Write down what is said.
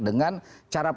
dengan cara pandangan